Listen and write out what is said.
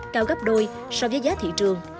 cao gấp đôi so với giá thị trường